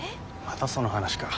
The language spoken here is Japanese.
またその話か。